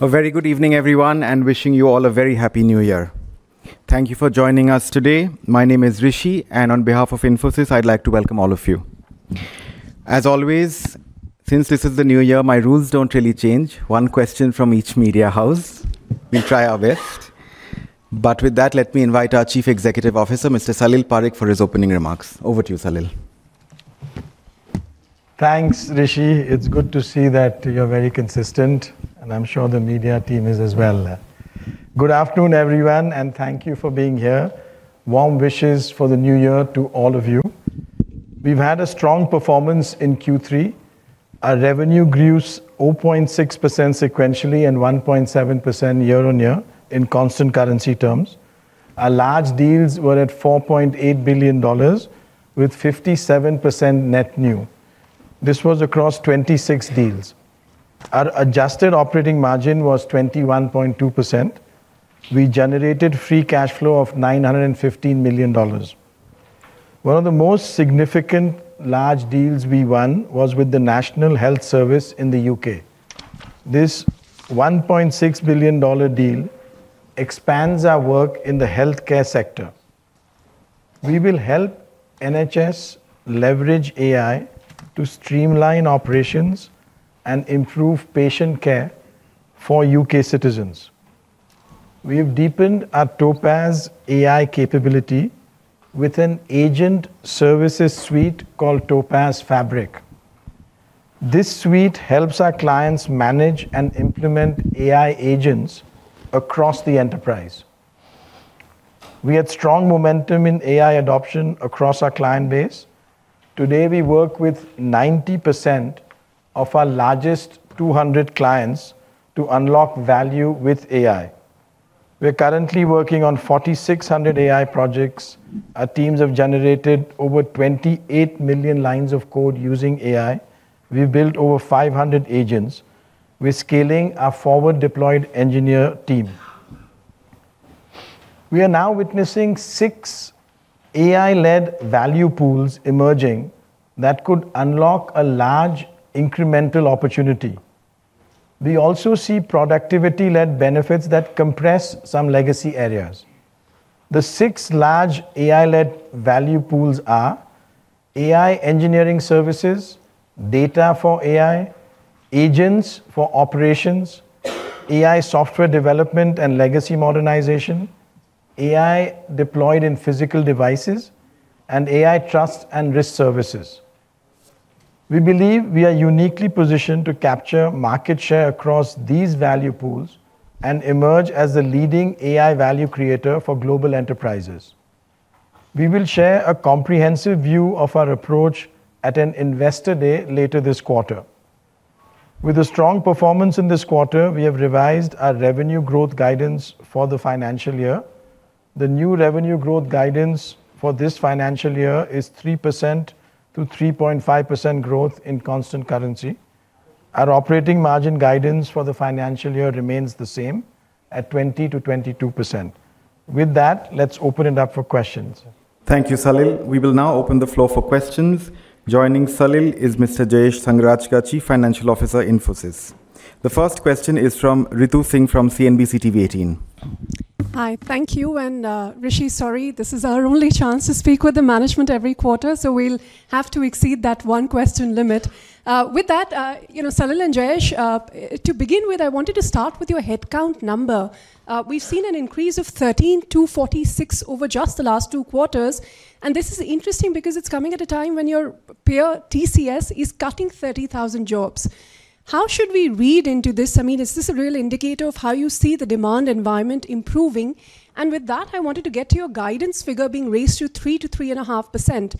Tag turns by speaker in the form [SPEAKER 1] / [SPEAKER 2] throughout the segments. [SPEAKER 1] A very good evening, everyone, and wishing you all a very happy New Year. Thank you for joining us today. My name is Rishi, and on behalf of Infosys, I'd like to welcome all of you. As always, since this is the New Year, my rules don't really change. One question from each media house. We'll try our best. But with that, let me invite our Chief Executive Officer, Mr. Salil Parekh, for his opening remarks. Over to you, Salil.
[SPEAKER 2] Thanks, Rishi. It's good to see that you're very consistent, and I'm sure the media team is as well. Good afternoon, everyone, and thank you for being here. Warm wishes for the New Year to all of you. We've had a strong performance in Q3. Our revenue grew 0.6% sequentially and 1.7% year-on-year in constant currency terms. Our large deals were at $4.8 billion, with 57% net new. This was across 26 deals. Our adjusted operating margin was 21.2%. We generated free cash flow of $915 million. One of the most significant large deals we won was with the National Health Service in the U.K. This $1.6 billion deal expands our work in the health care sector. We will help NHS leverage AI to streamline operations and improve patient care for U.K. citizens. We have deepened our Topaz AI capability with an agent services suite called Topaz Fabric. This suite helps our clients manage and implement AI agents across the enterprise. We had strong momentum in AI adoption across our client base. Today, we work with 90% of our largest 200 clients to unlock value with AI. We're currently working on 4,600 AI projects. Our teams have generated over 28 million lines of code using AI. We've built over 500 agents. We're scaling our forward-deployed engineer team. We are now witnessing six AI-led value pools emerging that could unlock a large incremental opportunity. We also see productivity-led benefits that compress some legacy areas. The six large AI-led value pools are AI engineering services, data for AI, agents for operations, AI software development and legacy modernization, AI deployed in physical devices, and AI trust and risk services. We believe we are uniquely positioned to capture market share across these value pools and emerge as the leading AI value creator for global enterprises. We will share a comprehensive view of our approach at an Investor Day later this quarter. With a strong performance in this quarter, we have revised our revenue growth guidance for the financial year. The new revenue growth guidance for this financial year is 3%-3.5% growth in constant currency. Our operating margin guidance for the financial year remains the same at 20%-22%. With that, let's open it up for questions.
[SPEAKER 1] Thank you, Salil. We will now open the floor for questions. Joining Salil is Mr. Jayesh Sanghrajka, Chief Financial Officer, Infosys. The first question is from Ritu Singh from CNBC-TV18.
[SPEAKER 3] Hi, thank you. And Rishi, sorry, this is our only chance to speak with the management every quarter, so we'll have to exceed that one question limit. With that, Salil and Jayesh, to begin with, I wanted to start with your headcount number. We've seen an increase of 13 to 46 over just the last two quarters. And this is interesting because it's coming at a time when your peer, TCS, is cutting 30,000 jobs. How should we read into this? I mean, is this a real indicator of how you see the demand environment improving? And with that, I wanted to get to your guidance figure being raised to 3%-3.5%.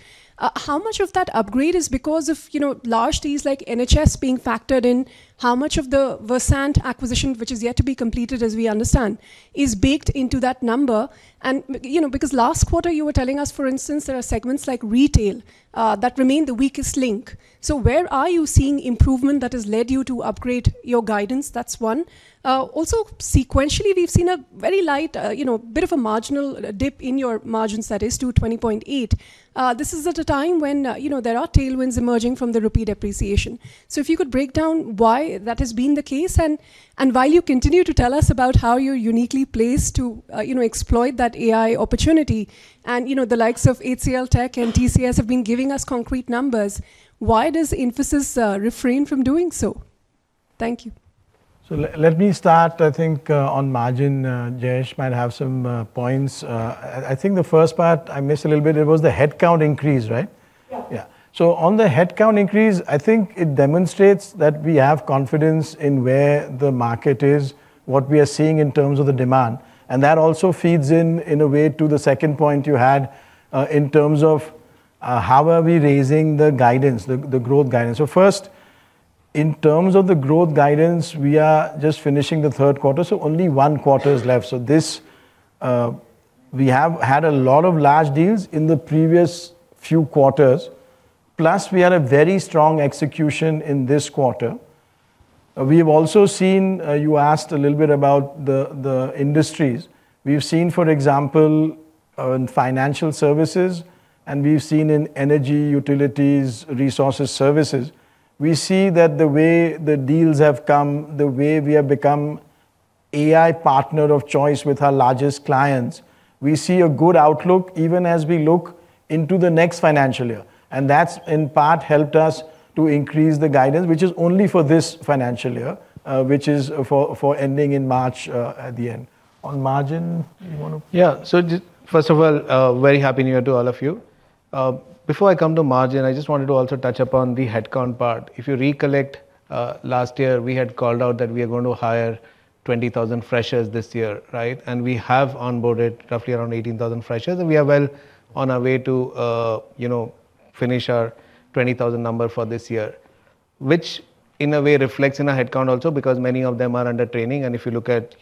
[SPEAKER 3] How much of that upgrade is because of large deals like NHS being factored in? How much of the Versant acquisition, which is yet to be completed, as we understand, is baked into that number? And because last quarter, you were telling us, for instance, there are segments like retail that remain the weakest link. So where are you seeing improvement that has led you to upgrade your guidance? That's one. Also, sequentially, we've seen a very light bit of a marginal dip in your margins, that is to 20.8%. This is at a time when there are tailwinds emerging from the rupee appreciation. So if you could break down why that has been the case and while you continue to tell us about how you're uniquely placed to exploit that AI opportunity. And the likes of HCLTech and TCS have been giving us concrete numbers. Why does Infosys refrain from doing so? Thank you.
[SPEAKER 2] So let me start, I think, on margin. Jayesh might have some points. I think the first part I missed a little bit. It was the headcount increase, right?
[SPEAKER 4] Yeah.
[SPEAKER 2] Yeah. So on the headcount increase, I think it demonstrates that we have confidence in where the market is, what we are seeing in terms of the demand. And that also feeds in, in a way, to the second point you had in terms of how are we raising the guidance, the growth guidance. So first, in terms of the growth guidance, we are just finishing the third quarter, so only one quarter is left. So we have had a lot of large deals in the previous few quarters. Plus, we had a very strong execution in this quarter. We have also seen, you asked a little bit about the industries. We've seen, for example, in financial services, and we've seen in energy, utilities, resources, services. We see that the way the deals have come, the way we have become AI partner of choice with our largest clients, we see a good outlook even as we look into the next financial year. And that's in part helped us to increase the guidance, which is only for this financial year, which is for ending in March at the end. On margin, you want to?
[SPEAKER 4] Yeah. So first of all, very happy New Year to all of you. Before I come to margin, I just wanted to also touch upon the headcount part. If you recollect, last year, we had called out that we are going to hire 20,000 freshers this year, right? And we have onboarded roughly around 18,000 freshers. And we are well on our way to finish our 20,000 number for this year, which in a way reflects in our headcount also because many of them are under training. And if you look at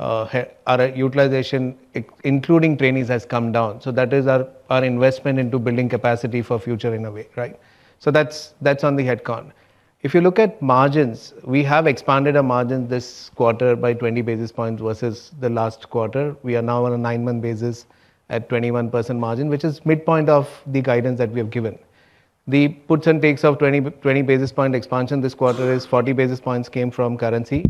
[SPEAKER 4] our utilization, including trainees, has come down. So that is our investment into building capacity for future, in a way, right? So that's on the headcount. If you look at margins, we have expanded our margins this quarter by 20 basis points versus the last quarter. We are now on a nine-month basis at 21% margin, which is midpoint of the guidance that we have given. The puts and takes of 20 basis point expansion this quarter is 40 basis points came from currency,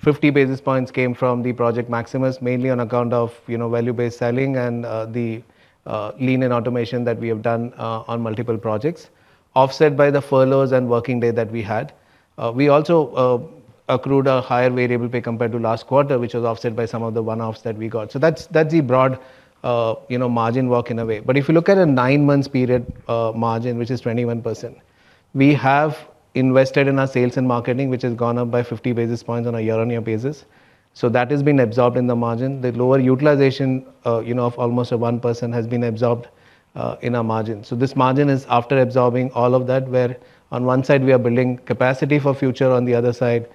[SPEAKER 4] 50 basis points came from the Project Maximus, mainly on account of value-based selling and the lean and automation that we have done on multiple projects, offset by the furloughs and working day that we had. We also accrued a higher variable pay compared to last quarter, which was offset by some of the one-offs that we got. So that's the broad margin work in a way. But if you look at a nine-month period margin, which is 21%, we have invested in our sales and marketing, which has gone up by 50 basis points on a year-on-year basis. So that has been absorbed in the margin. The lower utilization of almost 1% has been absorbed in our margin. So this margin is after absorbing all of that, where on one side we are building capacity for future, on the other side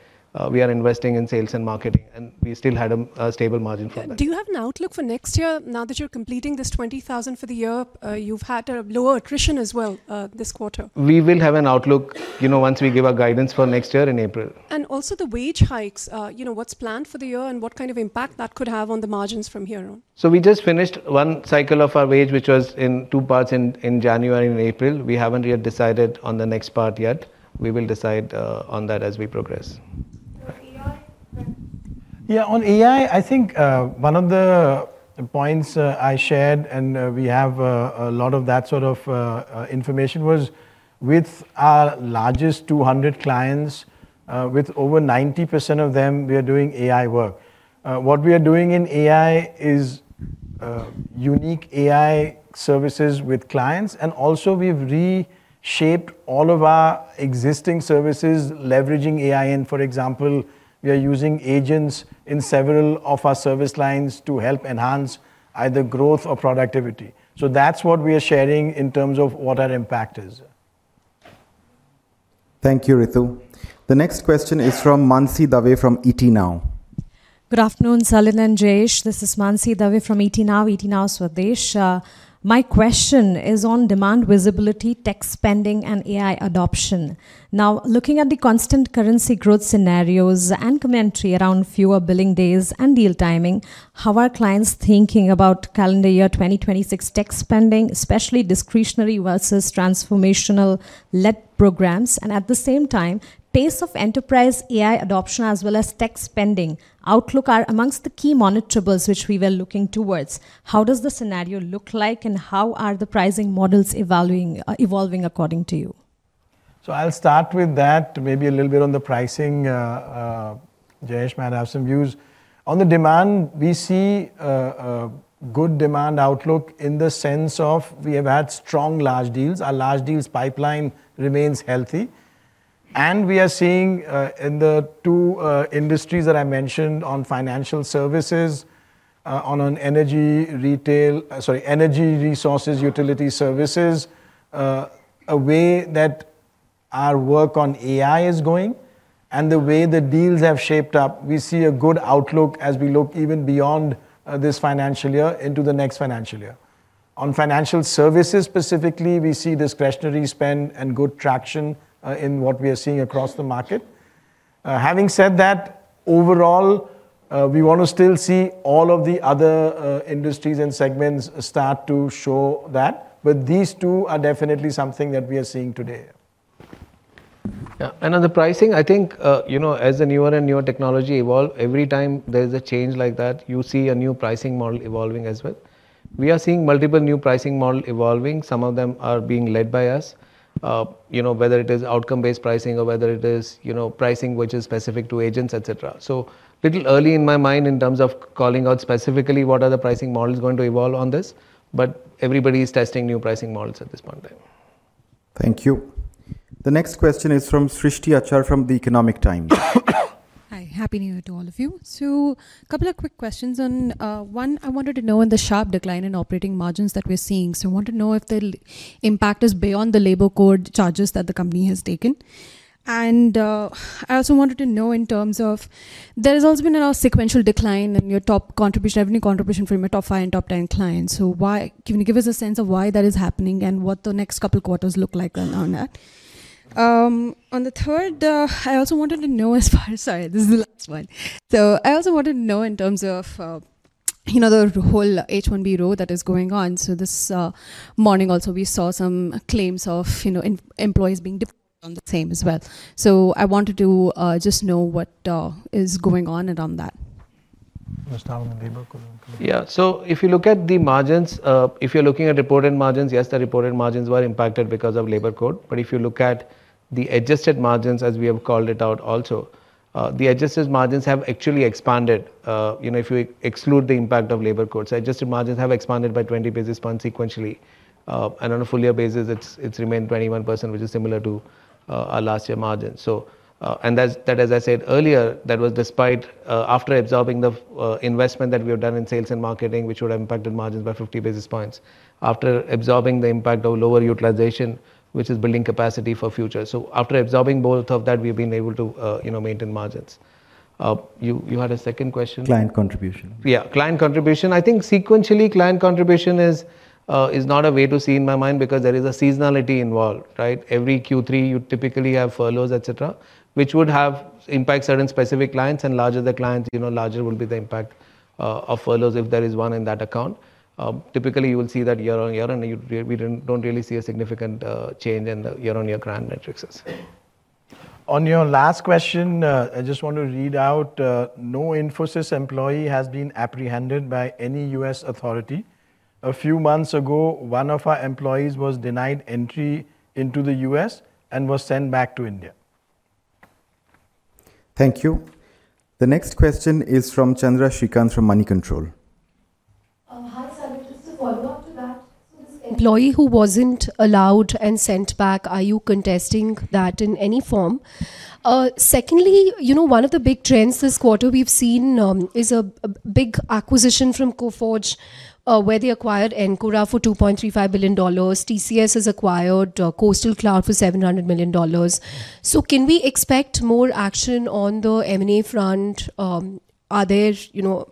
[SPEAKER 4] we are investing in sales and marketing. And we still had a stable margin from that.
[SPEAKER 3] Do you have an outlook for next year now that you're completing this 20,000 for the year? You've had a lower attrition as well this quarter.
[SPEAKER 4] We will have an outlook once we give our guidance for next year in April.
[SPEAKER 3] Also the wage hikes, what's planned for the year and what kind of impact that could have on the margins from here on?
[SPEAKER 4] We just finished one cycle of our wage, which was in two parts in January and April. We haven't yet decided on the next part. We will decide on that as we progress.
[SPEAKER 2] Yeah, on AI, I think one of the points I shared, and we have a lot of that sort of information, was with our largest 200 clients, with over 90% of them, we are doing AI work. What we are doing in AI is unique AI services with clients. And also, we've reshaped all of our existing services leveraging AI. And for example, we are using agents in several of our service lines to help enhance either growth or productivity. So that's what we are sharing in terms of what our impact is.
[SPEAKER 1] Thank you, Ritu. The next question is from Mansee Dave from ET Now.
[SPEAKER 5] Good afternoon, Salil and Jayesh. This is Mansee Dave from ET Now, ET Now Swadesh. My question is on demand visibility, tech spending, and AI adoption. Now, looking at the constant currency growth scenarios and commentary around fewer billing days and deal timing, how are clients thinking about calendar year 2026 tech spending, especially discretionary versus transformational-led programs? And at the same time, pace of enterprise AI adoption as well as tech spending outlook are amongst the key monitorables which we were looking towards. How does the scenario look like, and how are the pricing models evolving according to you?
[SPEAKER 2] So I'll start with that, maybe a little bit on the pricing. Jayesh might have some views. On the demand, we see good demand outlook in the sense of we have had strong large deals. Our large deals pipeline remains healthy. And we are seeing in the two industries that I mentioned on financial services, on an energy, retail, sorry, energy, resources, utility services, the way that our work on AI is going and the way the deals have shaped up, we see a good outlook as we look even beyond this financial year into the next financial year. On financial services specifically, we see discretionary spend and good traction in what we are seeing across the market. Having said that, overall, we want to still see all of the other industries and segments start to show that. But these two are definitely something that we are seeing today.
[SPEAKER 4] Yeah. And on the pricing, I think as the newer and newer technology evolves, every time there is a change like that, you see a new pricing model evolving as well. We are seeing multiple new pricing models evolving. Some of them are being led by us, whether it is outcome-based pricing or whether it is pricing which is specific to agents, et cetera. So a little early in my mind in terms of calling out specifically what are the pricing models going to evolve on this. But everybody is testing new pricing models at this point in time.
[SPEAKER 1] Thank you. The next question is from Shristi Achar from The Economic Times.
[SPEAKER 6] Hi, happy New Year to all of you. So a couple of quick questions. One, I wanted to know on the sharp decline in operating margins that we're seeing. So I want to know if the impact is beyond the Labour Code charges that the company has taken. And I also wanted to know in terms of there has also been a sequential decline in your top contribution, revenue contribution from your top five and top 10 clients. So give us a sense of why that is happening and what the next couple of quarters look like on that. On the third, I also wanted to know as far as, sorry, this is the last one. So I also wanted to know in terms of the whole H-1B row that is going on. So this morning also, we saw some claims of employees being deported on the same as well. I wanted to just know what is going on around that.
[SPEAKER 4] Yeah. So if you look at the margins, if you're looking at reported margins, yes, the reported margins were impacted because of Labour Codes. But if you look at the adjusted margins, as we have called it out also, the adjusted margins have actually expanded. If you exclude the impact of Labour Codes, adjusted margins have expanded by 20 basis points sequentially. And on a full year basis, it's remained 21%, which is similar to our last year margins. And that, as I said earlier, that was despite after absorbing the investment that we have done in sales and marketing, which would have impacted margins by 50 basis points, after absorbing the impact of lower utilization, which is building capacity for future. So after absorbing both of that, we have been able to maintain margins. You had a second question.
[SPEAKER 2] Client contribution.
[SPEAKER 4] Yeah, client contribution. I think sequentially, client contribution is not a way to see in my mind because there is a seasonality involved, right? Every Q3, you typically have furloughs, et cetera, which would have impacts on specific clients, and larger the clients, the larger will be the impact of furloughs if there is one in that account. Typically, you will see that year on year, and we don't really see a significant change in the year-on-year growth metrics.
[SPEAKER 2] On your last question, I just want to read out, no Infosys employee has been apprehended by any U.S. authority. A few months ago, one of our employees was denied entry into the U.S. and was sent back to India.
[SPEAKER 1] Thank you. The next question is from Chandra Srikanth from Moneycontrol.
[SPEAKER 7] Hi, Salil. Just to follow up to that, so this employee who wasn't allowed and sent back, are you contesting that in any form? Secondly, one of the big trends this quarter we've seen is a big acquisition from Coforge, where they acquired Encora for $2.35 billion. TCS has acquired Coastal Cloud for $700 million. So can we expect more action on the M&A front? Are there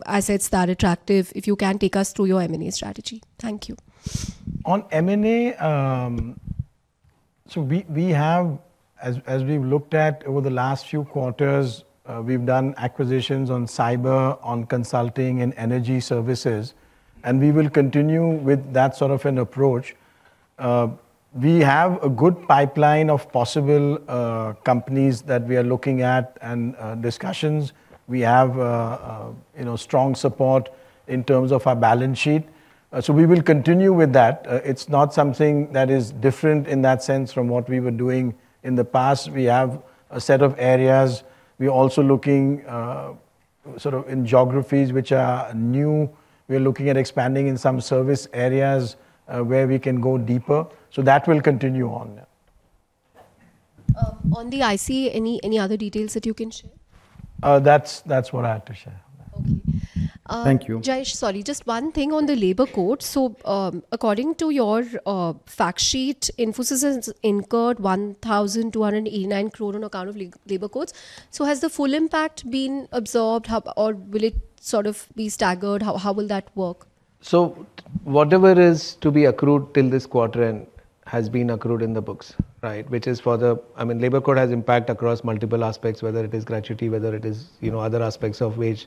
[SPEAKER 7] assets that are attractive? If you can, take us through your M&A strategy. Thank you.
[SPEAKER 2] On M&A, so we have, as we've looked at over the last few quarters, we've done acquisitions on cyber, on consulting, and energy services. And we will continue with that sort of an approach. We have a good pipeline of possible companies that we are looking at and discussions. We have strong support in terms of our balance sheet. So we will continue with that. It's not something that is different in that sense from what we were doing in the past. We have a set of areas. We are also looking sort of in geographies which are new. We are looking at expanding in some service areas where we can go deeper. So that will continue on.
[SPEAKER 7] On the IC, any other details that you can share?
[SPEAKER 2] That's what I had to share.
[SPEAKER 7] Okay.
[SPEAKER 2] Thank you.
[SPEAKER 7] Jayesh, sorry, just one thing on the Labour Code. So according to your fact sheet, Infosys has incurred 1,289 crore on account of Labour Codes. So has the full impact been absorbed or will it sort of be staggered? How will that work?
[SPEAKER 4] So whatever is to be accrued till this quarter has been accrued in the books, right? Which is for the, I mean, Labour Code has impact across multiple aspects, whether it is gratuity, whether it is other aspects of wage,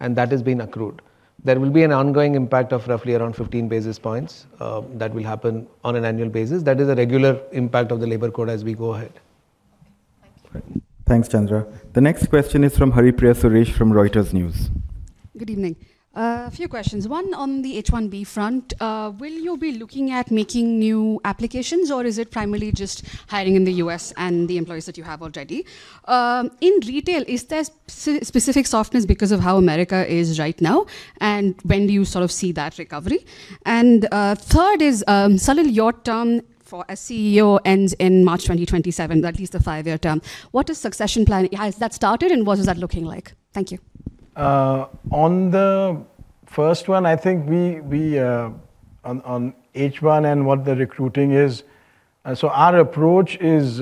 [SPEAKER 4] and that has been accrued. There will be an ongoing impact of roughly around 15 basis points that will happen on an annual basis. That is a regular impact of the Labour Code as we go ahead.
[SPEAKER 7] Okay. Thank you.
[SPEAKER 1] Thanks, Chandra. The next question is from Haripriya Suresh from Reuters News.
[SPEAKER 8] Good evening. A few questions. One on the H-1B front. Will you be looking at making new applications, or is it primarily just hiring in the U.S. and the employees that you have already? In retail, is there specific softness because of how America is right now? And when do you sort of see that recovery? And third is, Salil, your term for CEO ends in March 2027, at least the five-year term. What is the succession plan? Has that started, and what is that looking like? Thank you.
[SPEAKER 2] On the first one, I think on H-1B and what the recruiting is, so our approach is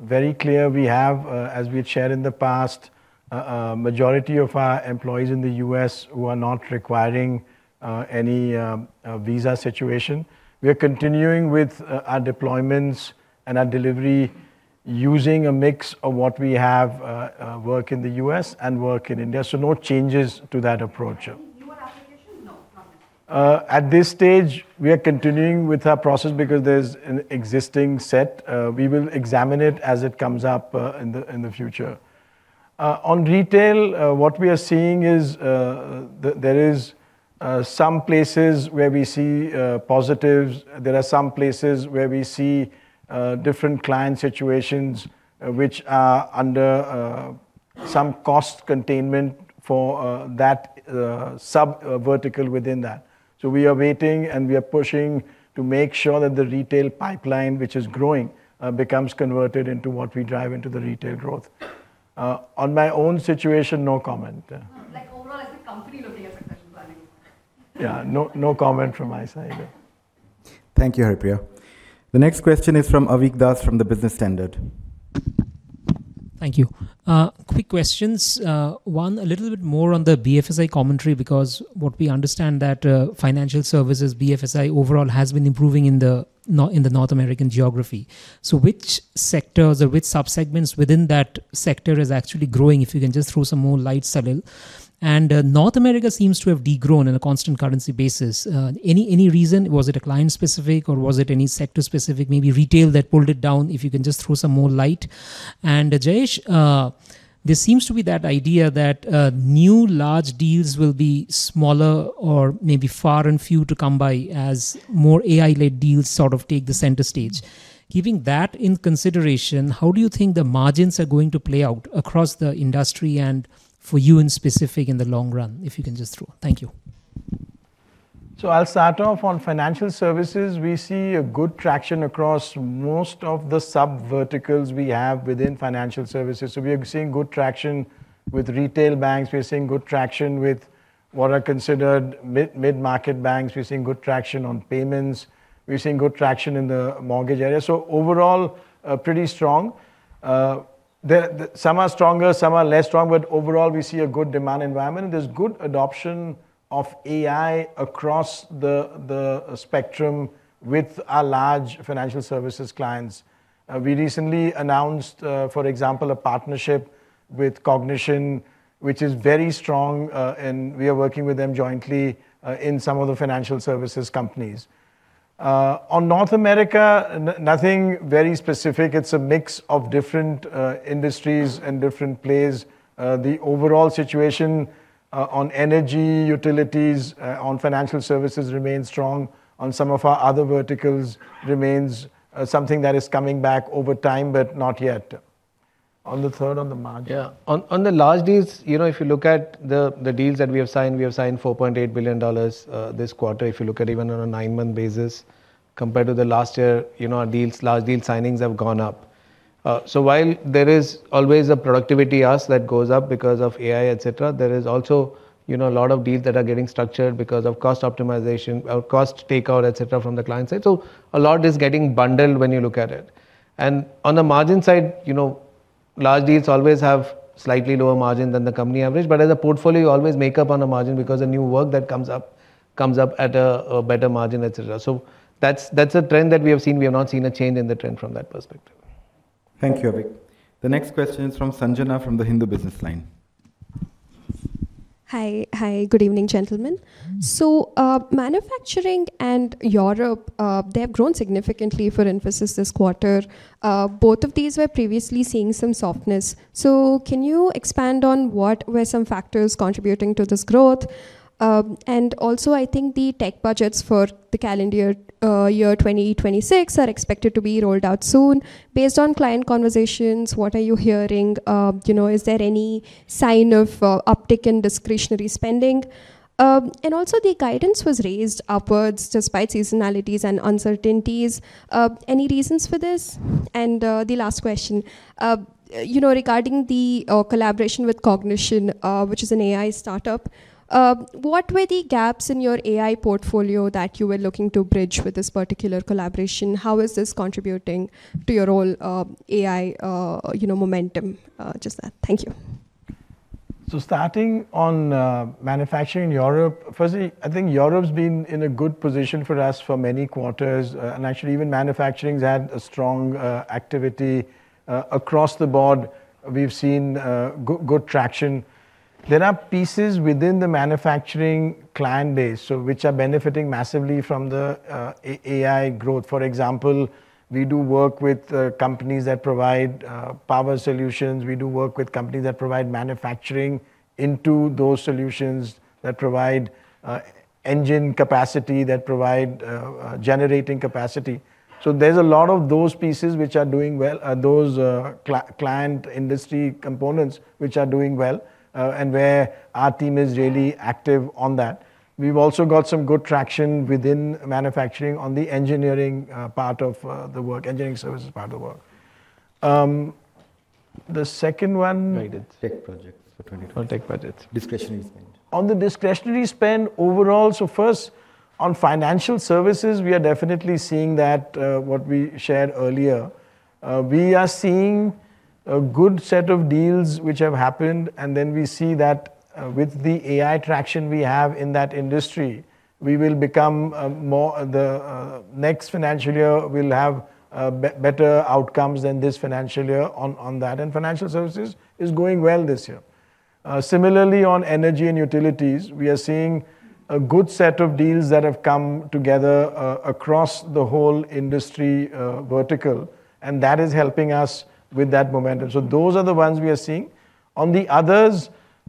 [SPEAKER 2] very clear. We have, as we had shared in the past, a majority of our employees in the U.S. who are not requiring any visa situation. We are continuing with our deployments and our delivery using a mix of what we have, work in the U.S. and work in India, so no changes to that approach.
[SPEAKER 8] Any newer applications? No.
[SPEAKER 2] At this stage, we are continuing with our process because there's an existing set. We will examine it as it comes up in the future. On retail, what we are seeing is there are some places where we see positives. There are some places where we see different client situations which are under some cost containment for that sub-vertical within that. So we are waiting, and we are pushing to make sure that the retail pipeline, which is growing, becomes converted into what we drive into the retail growth. On my own situation, no comment.
[SPEAKER 8] Like overall, as a company looking at succession planning?
[SPEAKER 2] Yeah, no comment from my side.
[SPEAKER 1] Thank you, Haripriya. The next question is from Avik Das from Business Standard.
[SPEAKER 9] Thank you. Quick questions. One, a little bit more on the BFSI commentary, because what we understand that financial services, BFSI overall has been improving in the North American geography. So which sectors or which subsegments within that sector is actually growing, if you can just throw some more light, Salil? And North America seems to have degrown on a constant currency basis. Any reason? Was it a client-specific, or was it any sector-specific, maybe retail that pulled it down, if you can just throw some more light? And Jayesh, there seems to be that idea that new large deals will be smaller or maybe far and few to come by as more AI-led deals sort of take the center stage. Giving that in consideration, how do you think the margins are going to play out across the industry and for you in specific in the long run, if you can just throw? Thank you.
[SPEAKER 2] So I'll start off on financial services. We see a good traction across most of the sub-verticals we have within financial services. So we are seeing good traction with retail banks. We are seeing good traction with what are considered mid-market banks. We're seeing good traction on payments. We're seeing good traction in the mortgage area. So overall, pretty strong. Some are stronger, some are less strong, but overall, we see a good demand environment. There's good adoption of AI across the spectrum with our large financial services clients. We recently announced, for example, a partnership with Cognition, which is very strong, and we are working with them jointly in some of the financial services companies. On North America, nothing very specific. It's a mix of different industries and different plays. The overall situation on energy, utilities, on financial services remains strong. On some of our other verticals, remains something that is coming back over time, but not yet. On the third, on the margin.
[SPEAKER 4] Yeah. On the large deals, if you look at the deals that we have signed, we have signed $4.8 billion this quarter. If you look at even on a nine-month basis, compared to the last year, our large deal signings have gone up. So while there is always a productivity ask that goes up because of AI, et cetera, there is also a lot of deals that are getting structured because of cost optimization or cost takeout, et cetera, from the client side. So a lot is getting bundled when you look at it. And on the margin side, large deals always have slightly lower margin than the company average. But as a portfolio, you always make up on the margin because the new work that comes up comes up at a better margin, et cetera. So that's a trend that we have seen. We have not seen a change in the trend from that perspective.
[SPEAKER 1] Thank you, Avik. The next question is from Sanjana from The Hindu Business Line.
[SPEAKER 10] Hi. Hi. Good evening, gentlemen. So manufacturing and Europe, they have grown significantly for Infosys this quarter. Both of these were previously seeing some softness. So can you expand on what were some factors contributing to this growth? And also, I think the tech budgets for the calendar year 2026 are expected to be rolled out soon. Based on client conversations, what are you hearing? Is there any sign of uptick in discretionary spending? And also, the guidance was raised upwards despite seasonalities and uncertainties. Any reasons for this? And the last question, regarding the collaboration with Cognition, which is an AI startup, what were the gaps in your AI portfolio that you were looking to bridge with this particular collaboration? How is this contributing to your all AI momentum? Just that. Thank you.
[SPEAKER 2] So, starting on manufacturing in Europe, firstly, I think Europe's been in a good position for us for many quarters. And actually, even manufacturing's had a strong activity across the board. We've seen good traction. There are pieces within the manufacturing client base, which are benefiting massively from the AI growth. For example, we do work with companies that provide power solutions. We do work with companies that provide manufacturing into those solutions that provide engine capacity, that provide generating capacity. So there's a lot of those pieces which are doing well, those client industry components which are doing well, and where our team is really active on that. We've also got some good traction within manufacturing on the engineering part of the work, engineering services part of the work. The second one.
[SPEAKER 4] Tech projects for 2024.
[SPEAKER 2] Tech projects.
[SPEAKER 4] Discretionary spend.
[SPEAKER 2] On the discretionary spend overall, so first, on financial services, we are definitely seeing that what we shared earlier. We are seeing a good set of deals which have happened, and then we see that with the AI traction we have in that industry, we will become more the next financial year will have better outcomes than this financial year on that, and financial services is going well this year. Similarly, on energy and utilities, we are seeing a good set of deals that have come together across the whole industry vertical, and that is helping us with that momentum, so those are the ones we are seeing. On the others,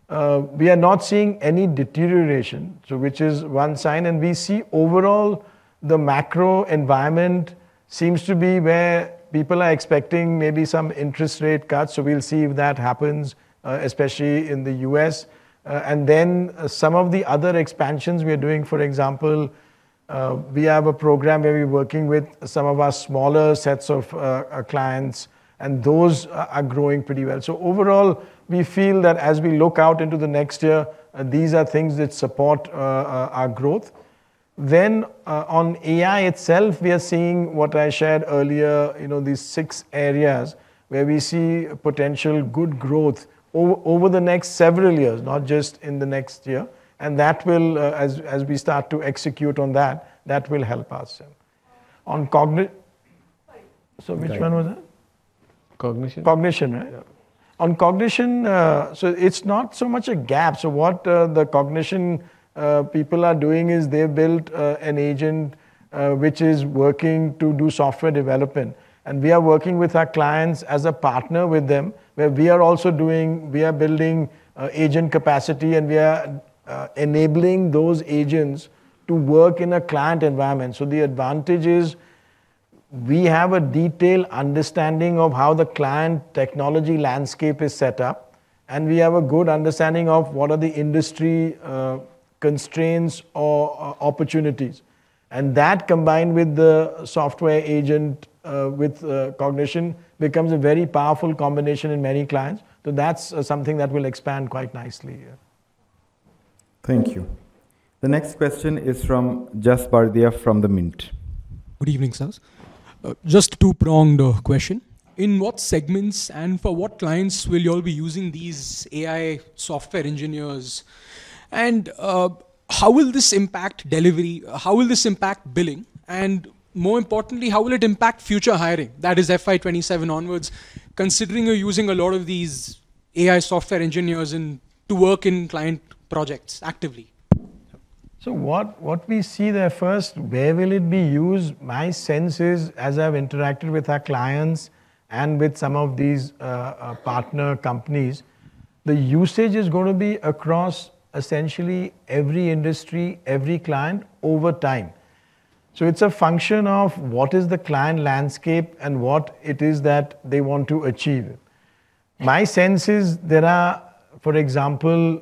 [SPEAKER 2] we are not seeing any deterioration, which is one sign, and we see overall, the macro environment seems to be where people are expecting maybe some interest rate cuts, so we'll see if that happens, especially in the U.S. Then some of the other expansions we are doing, for example, we have a program where we're working with some of our smaller sets of clients, and those are growing pretty well. Overall, we feel that as we look out into the next year, these are things that support our growth. On AI itself, we are seeing what I shared earlier, these six areas where we see potential good growth over the next several years, not just in the next year. That will, as we start to execute on that, that will help us. On Cognition.
[SPEAKER 10] Sorry.
[SPEAKER 2] Which one was that?
[SPEAKER 4] Cognition.
[SPEAKER 2] Cognition, right? On Cognition, so it's not so much a gap. So what the Cognition people are doing is they've built an agent which is working to do software development. And we are working with our clients as a partner with them, where we are also doing, we are building agent capacity. And we are enabling those agents to work in a client environment. So the advantage is we have a detailed understanding of how the client technology landscape is set up. And we have a good understanding of what are the industry constraints or opportunities. And that combined with the software agent with Cognition becomes a very powerful combination in many clients. So that's something that will expand quite nicely here.
[SPEAKER 1] Thank you. The next question is from Jas Bardia from the Mint.
[SPEAKER 11] Good evening, sirs. Just a two-pronged question. In what segments and for what clients will you all be using these AI software engineers? And how will this impact delivery? How will this impact billing? And more importantly, how will it impact future hiring, that is FY 2027 onwards, considering you're using a lot of these AI software engineers to work in client projects actively?
[SPEAKER 2] So what we see there first, where will it be used? My sense is, as I've interacted with our clients and with some of these partner companies, the usage is going to be across essentially every industry, every client over time. So it's a function of what is the client landscape and what it is that they want to achieve. My sense is there are, for example,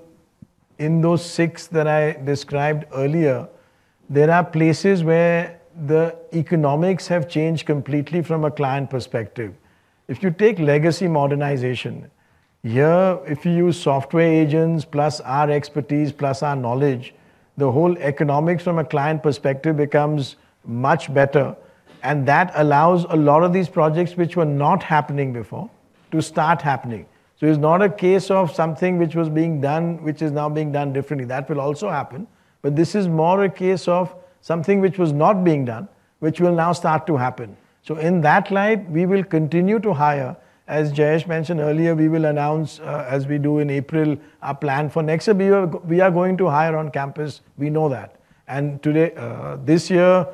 [SPEAKER 2] in those six that I described earlier, there are places where the economics have changed completely from a client perspective. If you take legacy modernization, here, if you use software agents plus our expertise plus our knowledge, the whole economics from a client perspective becomes much better. And that allows a lot of these projects which were not happening before to start happening. So it's not a case of something which was being done, which is now being done differently. That will also happen. But this is more a case of something which was not being done, which will now start to happen. So in that light, we will continue to hire. As Jayesh mentioned earlier, we will announce, as we do in April, our plan for next year. We are going to hire on campus. We know that. And this year,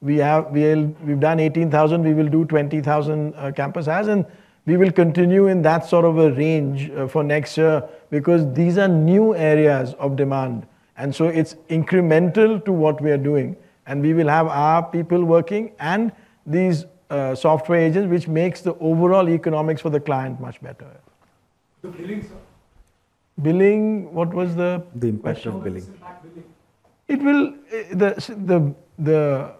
[SPEAKER 2] we've done 18,000. We will do 20,000 campus hires. And we will continue in that sort of a range for next year because these are new areas of demand. And so it's incremental to what we are doing. And we will have our people working and these software agents, which makes the overall economics for the client much better.
[SPEAKER 11] The billing, sir?
[SPEAKER 2] Billing, what was the question?
[SPEAKER 1] The impression of billing.
[SPEAKER 2] The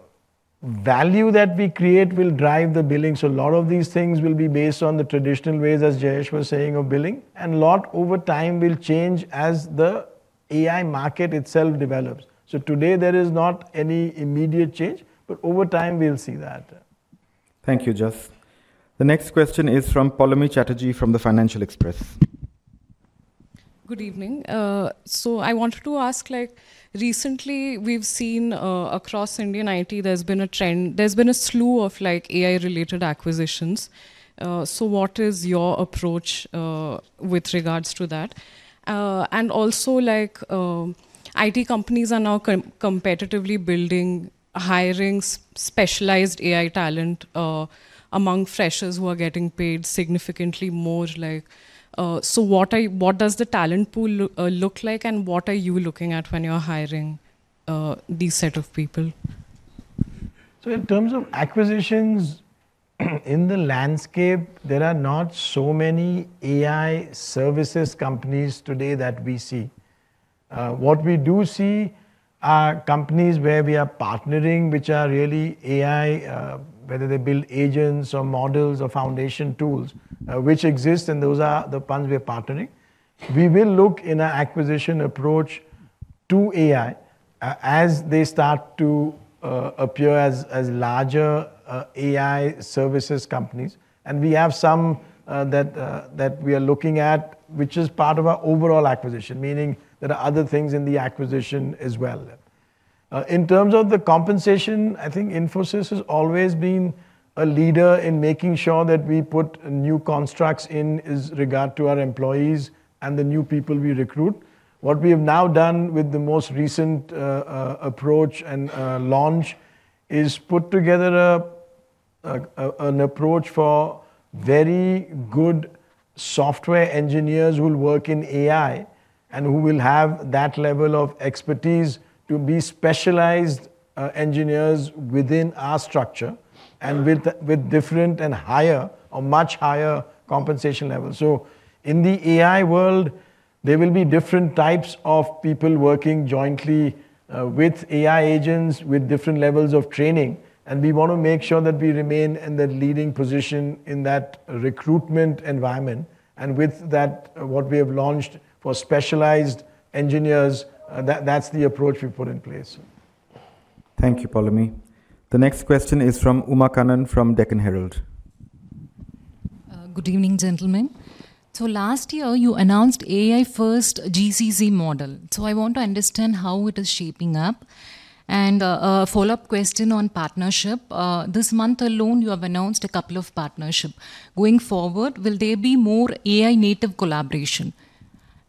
[SPEAKER 2] value that we create will drive the billing. So a lot of these things will be based on the traditional ways, as Jayesh was saying, of billing. And a lot over time will change as the AI market itself develops. So today, there is not any immediate change. But over time, we'll see that.
[SPEAKER 1] Thank you, Jas. The next question is from Poulomi Chatterjee from The Financial Express.
[SPEAKER 12] Good evening. So I wanted to ask, recently, we've seen across Indian IT, there's been a trend. There's been a slew of AI-related acquisitions. So what is your approach with regards to that? And also, IT companies are now competitively building hiring specialized AI talent among freshers who are getting paid significantly more. So what does the talent pool look like? And what are you looking at when you're hiring these set of people?
[SPEAKER 2] In terms of acquisitions in the landscape, there are not so many AI services companies today that we see. What we do see are companies where we are partnering, which are really AI, whether they build agents or models or foundation tools, which exist. Those are the ones we are partnering. We will look in our acquisition approach to AI as they start to appear as larger AI services companies. We have some that we are looking at, which is part of our overall acquisition, meaning there are other things in the acquisition as well. In terms of the compensation, I think Infosys has always been a leader in making sure that we put new constructs in regard to our employees and the new people we recruit. What we have now done with the most recent approach and launch is put together an approach for very good software engineers who will work in AI and who will have that level of expertise to be specialized engineers within our structure and with different and higher or much higher compensation levels. So in the AI world, there will be different types of people working jointly with AI agents with different levels of training. And we want to make sure that we remain in the leading position in that recruitment environment. And with that, what we have launched for specialized engineers, that's the approach we've put in place.
[SPEAKER 1] Thank you, Poulomi. The next question is from Uma Kannan from Deccan Herald.
[SPEAKER 13] Good evening, gentlemen. So last year, you announced AI-first GCC model. So I want to understand how it is shaping up. And a follow-up question on partnership. This month alone, you have announced a couple of partnerships. Going forward, will there be more AI-native collaboration?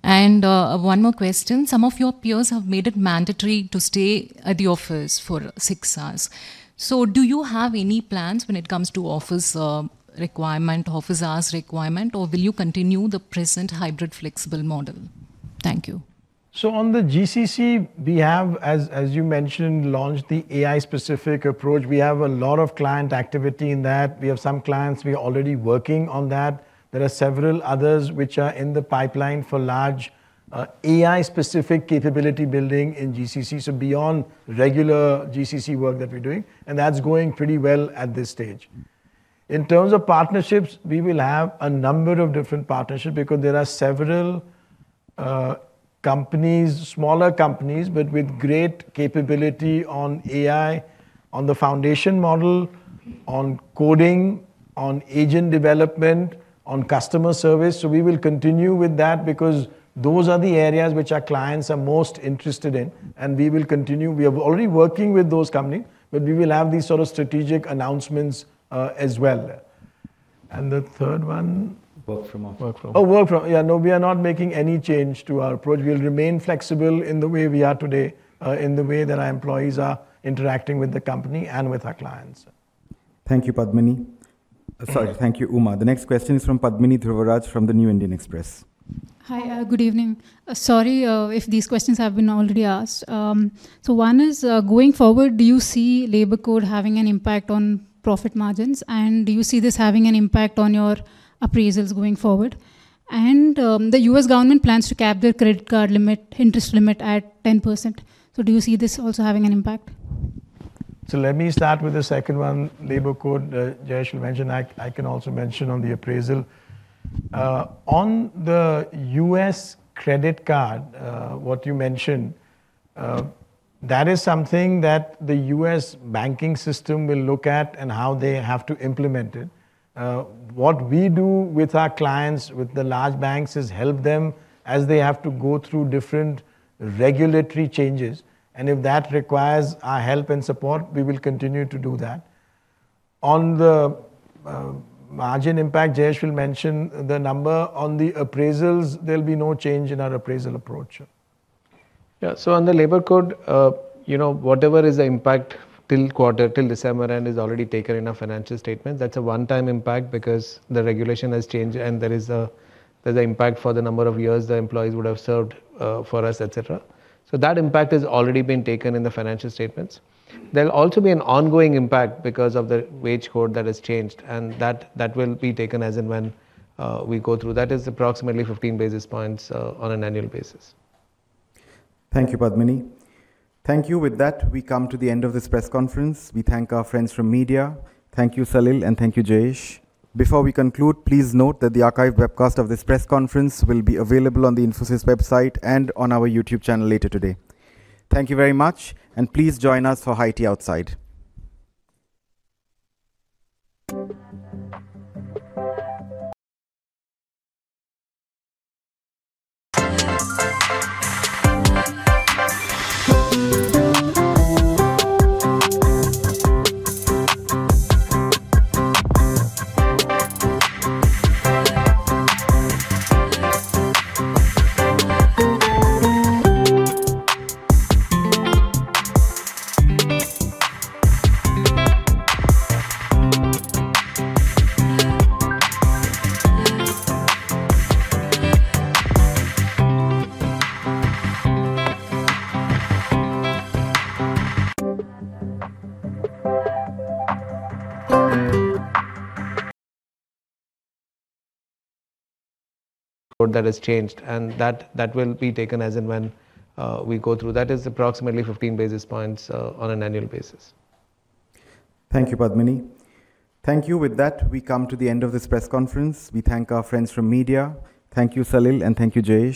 [SPEAKER 13] And one more question. Some of your peers have made it mandatory to stay at the office for six hours. So do you have any plans when it comes to office requirement, office hours requirement, or will you continue the present hybrid flexible model? Thank you.
[SPEAKER 2] So on the GCC, we have, as you mentioned, launched the AI-specific approach. We have a lot of client activity in that. We have some clients we are already working on that. There are several others which are in the pipeline for large AI-specific capability building in GCC, so beyond regular GCC work that we're doing. And that's going pretty well at this stage. In terms of partnerships, we will have a number of different partnerships because there are several companies, smaller companies, but with great capability on AI, on the foundation model, on coding, on agent development, on customer service. So we will continue with that because those are the areas which our clients are most interested in. And we will continue. We are already working with those companies. But we will have these sort of strategic announcements as well. The third one.
[SPEAKER 1] Work from office. Work from.
[SPEAKER 2] Oh, work from. Yeah, no, we are not making any change to our approach. We will remain flexible in the way we are today, in the way that our employees are interacting with the company and with our clients.
[SPEAKER 1] Thank you, Padmini. Sorry, thank you, Uma. The next question is from Padmini Dhruvaraj from The New Indian Express.
[SPEAKER 14] Hi, good evening. Sorry if these questions have been already asked. So one is, going forward, do you see Labour Code having an impact on profit margins? And do you see this having an impact on your appraisals going forward? And the U.S. government plans to cap their credit card limit, interest limit at 10%. So do you see this also having an impact?
[SPEAKER 2] So let me start with the second one, Labour Code. Jayesh will mention. I can also mention on the appraisal. On the U.S. credit card, what you mentioned, that is something that the U.S. banking system will look at and how they have to implement it. What we do with our clients, with the large banks, is help them as they have to go through different regulatory changes. And if that requires our help and support, we will continue to do that. On the margin impact, Jayesh will mention the number. On the appraisals, there'll be no change in our appraisal approach.
[SPEAKER 4] Yeah, so on the Labour Code, whatever is the impact till quarter, till December, and is already taken in our financial statements, that's a one-time impact because the regulation has changed. And there is an impact for the number of years the employees would have served for us, et cetera. So that impact has already been taken in the financial statements. There'll also be an ongoing impact because of the wage code that has changed. And that will be taken as and when we go through. That is approximately 15 basis points on an annual basis.
[SPEAKER 1] Thank you, Padmini. Thank you. With that, we come to the end of this press conference. We thank our friends from media. Thank you, Salil, and thank you, Jayesh. Before we conclude, please note that the archived webcast of this press conference will be available on the Infosys website and on our YouTube channel later today. Thank you very much, and please join us for High Tea Outside. Code that has changed.
[SPEAKER 4] And that will be taken as and when we go through. That is approximately 15 basis points on an annual basis.
[SPEAKER 1] Thank you, Padmini. Thank you. With that, we come to the end of this press conference. We thank our friends from media. Thank you, Salil, and thank you, Jayesh.